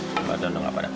gak ada dong apa apa